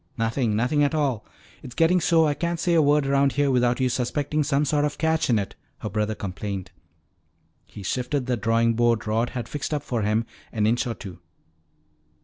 "Nothing, nothing at all. It's getting so I can't say a word around here without you suspecting some sort of a catch in it," her brother complained. He shifted the drawing board Rod had fixed up for him an inch or two.